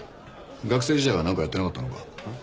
学生時代は何かやってなかったのか？